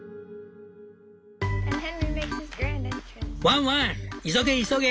「ワンワン急げ急げ！